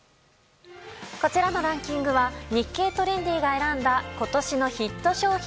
こちらのランキングは「日経トレンディ」が選んだ今年のヒット商品